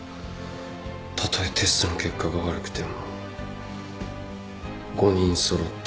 たとえテストの結果が悪くても５人揃って持ち直す。